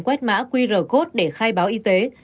quét mã qr code để khai báo y tế